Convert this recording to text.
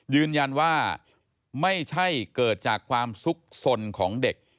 ยืนยันว่าไม่ใช่เกิดจากความสุขสนของเด็ก